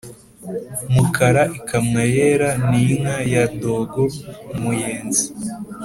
Mukara ikamwa ayera ni inka ya Dogo-Umuyenzi.